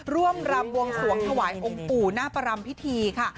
รำบวงสวงถวายองค์ปู่หน้าประรำพิธีค่ะ